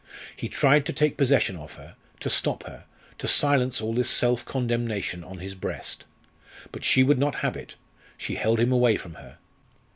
He tried to take possession of her, to stop her, to silence all this self condemnation on his breast. But she would not have it; she held him away from her.